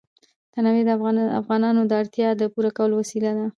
تنوع د افغانانو د اړتیاوو د پوره کولو وسیله ده.